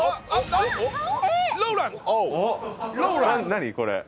何これ？